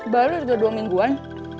baru udah dua mingguan